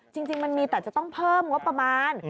จริงมันมีแต่จะต้องเพิ่มงบประมาณ